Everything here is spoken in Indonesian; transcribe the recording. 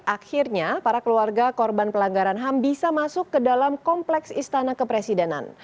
akhirnya para keluarga korban pelanggaran ham bisa masuk ke dalam kompleks istana kepresidenan